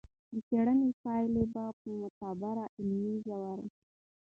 د څېړنې پایلې په معتبر علمي ژورنال خپرې شوې.